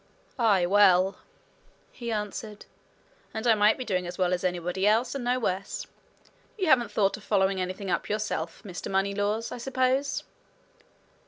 "Aye, well," he answered, "and I might be doing as well as anybody else, and no worse. You haven't thought of following anything up yourself, Mr. Moneylaws, I suppose?"